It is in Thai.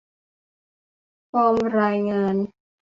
ฟอร์มรายงาน